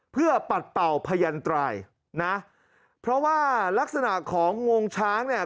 เพื่อปัดเป่าพยันตรายนะเพราะว่ารักษณะของงวงช้างเนี่ย